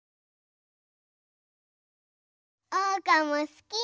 おうかもすき！